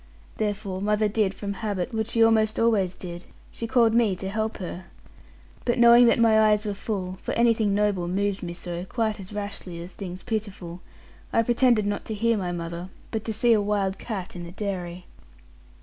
Therefore, mother did, from habit, what she almost always did, she called me to help her. But knowing that my eyes were full for anything noble moves me so, quite as rashly as things pitiful I pretended not to hear my mother, but to see a wild cat in the dairy.